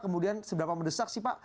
kemudian seberapa mendesak sih pak